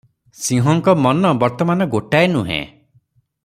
ସିଂହଙ୍କ ମନ ବର୍ତ୍ତମାନ ଗୋଟାଏ ନୁହେ;